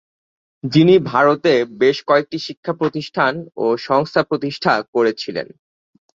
যিনি ভারতে বেশ কয়েকটি শিক্ষা প্রতিষ্ঠান ও সংস্থা প্রতিষ্ঠা করেছিলেন।